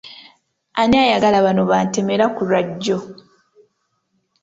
Ani ayagala bano ba ntemera ku lwajjo?